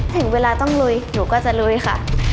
ถึงเวลาต้องลุยหนูก็จะลุยค่ะ